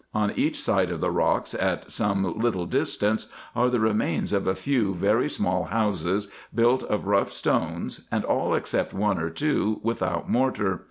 On each side of the rocks, at some little distance, are the remains of a few very small houses, built of rough stones, and all except one or two without mortar.